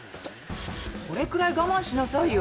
これくらい我慢しなさいよ。